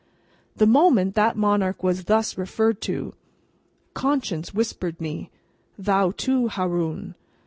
The moment that monarch was thus referred to, conscience whispered me, "Thou, too, Haroun!"